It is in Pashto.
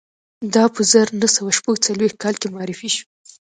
دا په زر نه سوه شپږ څلویښت کال کې معرفي شو